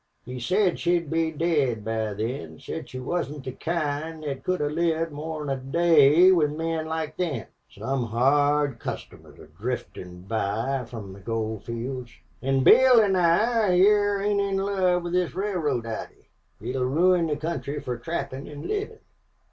He said she'd be dead by then said she wasn't the kind thet could have lived more 'n a day with men like them. Some hard customers are driftin' by from the gold fields. An' Bill an' I, hyar, ain't in love with this railroad idee. It 'll ruin the country fer trappin' an' livin'."